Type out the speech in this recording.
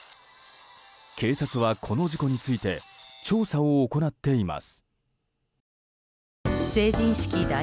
警察は、この事故について調査を行っています。